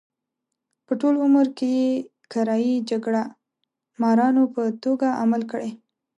په ټول عمر کې یې کرایي جګړه مارانو په توګه عمل کړی.